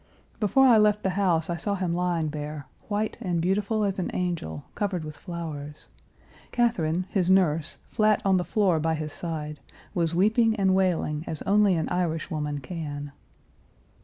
Before I left the house I saw him lying there, white and beautiful as an angel, covered with flowers; Catherine, his nurse, flat on the floor by his side, was weeping and wailing as only an Irishwoman can.